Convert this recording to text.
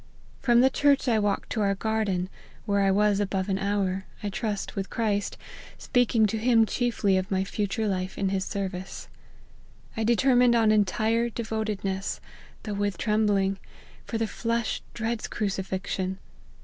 From the church I walked to our garden, where I was above an hour, I trust with Christ, speaking to him chiefly of my future life in his service. I determined on entire devotedness, though with trembling ; for the flesh dreads cruci fixion.